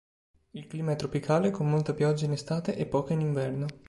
Il clima è tropicale, con molta pioggia in estate e poca in inverno.